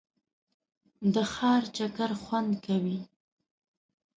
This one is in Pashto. د ښار چکر خوند کوي.